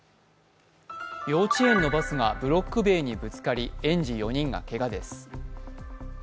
幼稚園のバスがブロック塀にぶつかり園児４人がけがです。